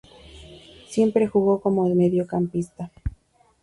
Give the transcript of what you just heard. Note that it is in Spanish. Siempre jugó como mediocampista.